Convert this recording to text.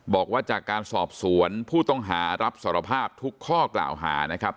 บอกว่าจากการสอบสวนผู้ต้องหารับสารภาพทุกข้อกล่าวหานะครับ